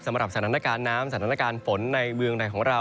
สำหรับสถานการณ์น้ำสถานการณ์ฝนในเมืองไหนของเรา